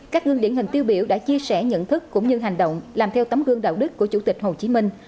các gương điển hình tiêu biểu đã chia sẻ nhận thức cũng như hành động làm theo tấm gương đạo đức của chủ tịch hồ chí minh